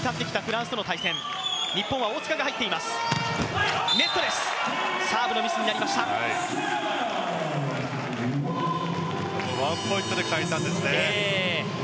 ワンポイントで返したんですね。